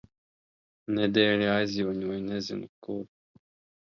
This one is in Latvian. Nedēļa aizjoņoja nezinu, kur.